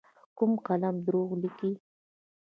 کوږ قلم دروغ لیکي